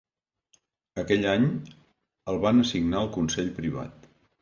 Aquell any, el van assignar al consell privat.